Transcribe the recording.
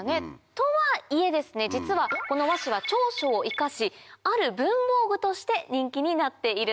とはいえ実はこの和紙は長所を生かしある文房具として人気になっているんです。